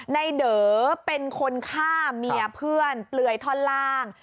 เด๋อเป็นคนฆ่าเมียเพื่อนเปลือยท่อนล่าง